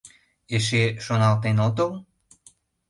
— Эше шоналтен отыл?